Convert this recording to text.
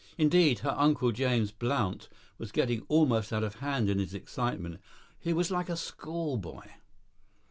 Indeed, her uncle, James Blount, was getting almost out of hand in his excitement; he was like a schoolboy.